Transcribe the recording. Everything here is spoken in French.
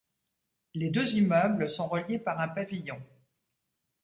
Les deux immeubles sont reliés par un pavillon.